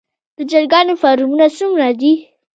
د چرګانو فارمونه څومره دي؟